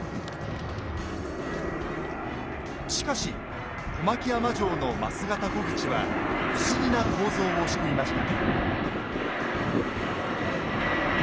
しかし小牧山城の枡形虎口は不思議な構造をしていました。